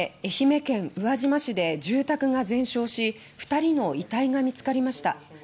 愛媛県宇和島市で住宅が全焼し２人の遺体が見つかりました。